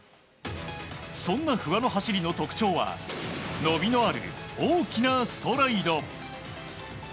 そんな不破の走りの特徴は伸びのある大きなストライド。